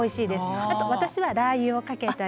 あと私はラー油をかけたり。